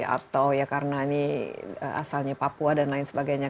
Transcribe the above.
atau ya karena ini asalnya papua dan lain sebagainya